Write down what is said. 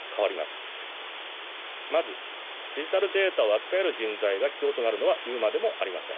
まずデジタルデータを扱える人材が必要となるのは言うまでもありません。